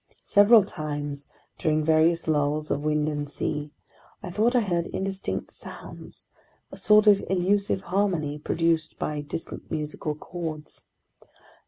Several times, during various lulls of wind and sea, I thought I heard indistinct sounds, a sort of elusive harmony produced by distant musical chords.